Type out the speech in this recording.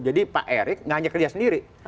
jadi pak erik nggak hanya kerja sendiri